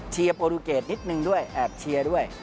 โปรตูเกตนิดนึงด้วยแอบเชียร์ด้วย